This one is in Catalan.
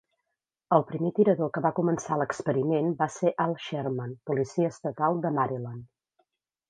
El primer tirador que va començar l'experiment va ser Al Sherman, policia estatal de Maryland.